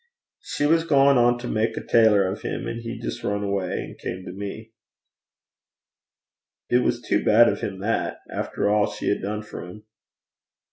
'She was gaein' to mak a taylor o' 'm: an' he jist ran awa', an' cam to me.' 'It was too bad of him that after all she had done for him.'